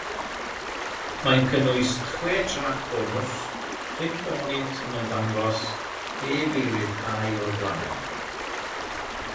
Mae'n cynnwys chwe trac bonws, pump ohonynt yn ymddangos “heb eu rhyddhau o'r blaen”.